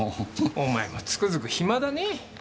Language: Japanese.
お前もつくづく暇だねぇ。